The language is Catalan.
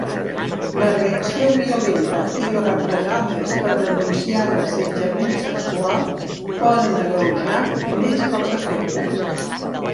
La reacció violenta i les represàlies per denunciar l'assetjament sexual poden agreujar més els efectes.